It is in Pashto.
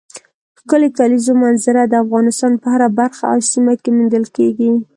ښکلې کلیزو منظره د افغانستان په هره برخه او سیمه کې موندل کېږي.